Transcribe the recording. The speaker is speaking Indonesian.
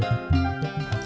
aduh aduh aduh